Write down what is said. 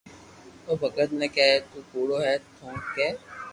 او ڀگت ني ڪي ڪي تو ڪوڙو ھي تو ڪي